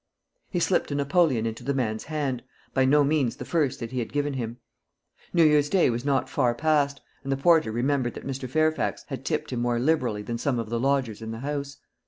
He slipped a napoleon into the man's hand by no means the first that he had given him. New Year's day was not far past; and the porter remembered that Mr. Fairfax had tipped him more liberally than some of the lodgers in the house.